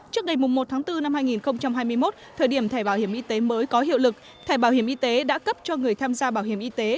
trước ngày một tháng bốn năm hai nghìn hai mươi một thời điểm thẻ bảo hiểm y tế mới có hiệu lực thẻ bảo hiểm y tế đã cấp cho người tham gia bảo hiểm y tế